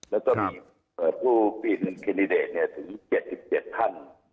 แล้วก็มีผู้ปีศุภาพถึง๗๗ท่าน